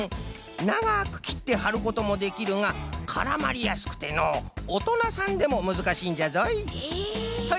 ながくきってはることもできるがからまりやすくてのおとなさんでもむずかしいんじゃぞい。